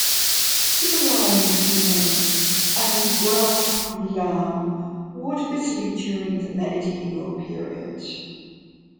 Ghibelline Como and Guelph Milan warred bitterly during the medieval period.